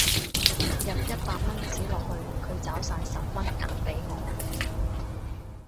入一百蚊紙落去佢找晒十蚊銀俾我